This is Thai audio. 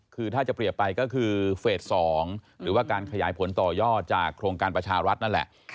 คือถ้าจะเปรียบไปก็คือเฟส๒หรือว่าการขยายผลต่อยอดจากโครงการประชารัฐนั่นแหละ